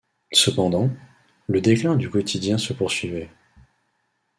Cependant, le déclin du quotidien se poursuivait.